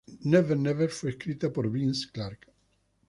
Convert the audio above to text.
Never Never fue escrita por Vince Clarke.